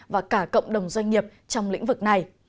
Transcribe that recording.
và cả cộng đồng doanh nghiệp trong lĩnh vực này